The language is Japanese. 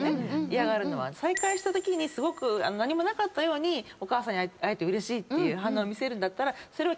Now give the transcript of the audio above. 再会したときにすごく何もなかったようにお母さんに会えてうれしい反応を見せるんだったらそれは。